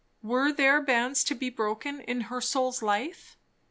Were there bands to be broken in her soul's life?